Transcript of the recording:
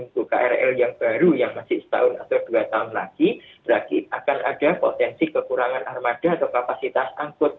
untuk krl yang baru yang masih setahun atau dua tahun lagi akan ada potensi kekurangan armada atau kapasitas angkut